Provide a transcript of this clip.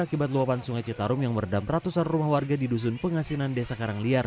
akibat luapan sungai citarum yang merendam ratusan rumah warga di dusun pengasinan desa karangliar